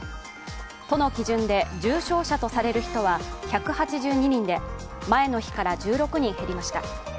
都の基準で重症者とされる人は１８２人で前の日から１６人減りました。